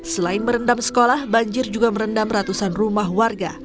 selain merendam sekolah banjir juga merendam ratusan rumah warga